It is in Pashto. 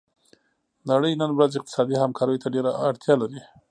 نړۍ نن ورځ اقتصادي همکاریو ته ډیره اړتیا لري